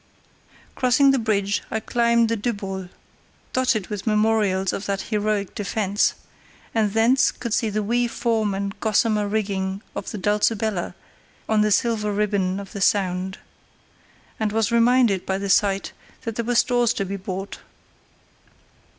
Crossing the bridge I climbed the Dybbol—dotted with memorials of that heroic defence—and thence could see the wee form and gossamer rigging of the Dulcibella on the silver ribbon of the Sound, and was reminded by the sight that there were stores to be bought.